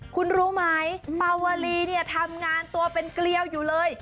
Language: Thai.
คุณรู้มั้ยเพาวอลีทำงานตัวเป็นเกรี้ยวอยู่เลย